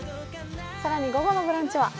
午後の「ブランチ」は？